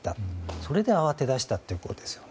それで慌てだしたってことですよね。